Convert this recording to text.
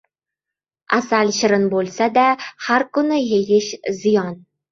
• Asal shirin bo‘lsa-da, har kuni yeyish ziyon.